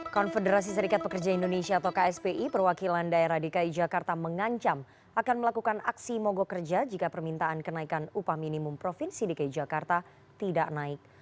konfederasi serikat pekerja indonesia atau kspi perwakilan daerah dki jakarta mengancam akan melakukan aksi mogok kerja jika permintaan kenaikan upah minimum provinsi dki jakarta tidak naik